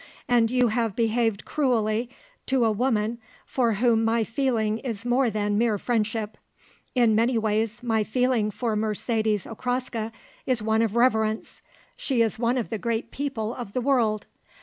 And you have behaved cruelly to a woman for whom my feeling is more than mere friendship. In many ways my feeling for Mercedes Okraska is one of reverence. She is one of the great people of the world.